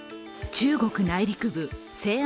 中国内陸部西安